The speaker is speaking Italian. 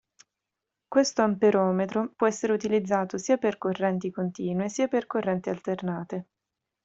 Questo amperometro può essere utilizzato sia per correnti continue sia per correnti alternate.